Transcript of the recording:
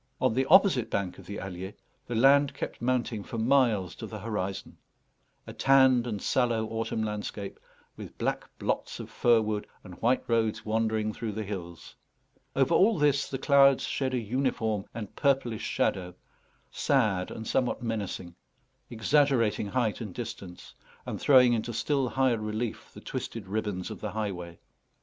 On the opposite bank of the Allier the land kept mounting for miles to the horizon: a tanned and sallow autumn landscape, with black blots of fir wood and white roads wandering through the hills. Over all this the clouds shed a uniform and purplish shadow, sad and somewhat menacing, exaggerating height and distance, and throwing into still higher relief the twisted ribbons of the highway.